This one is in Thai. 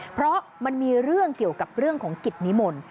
เพราะมันมีเรื่องเกี่ยวกับเรื่องของกิจนิมนต์